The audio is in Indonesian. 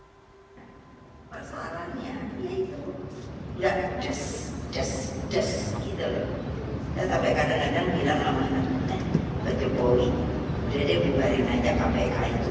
dan sampai kadang kadang bilang ke pak jokowi dia dibubarin aja kpk itu